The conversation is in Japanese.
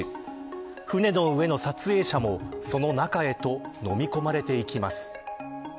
船の上の撮影者もその中へと飲み込まれていきます。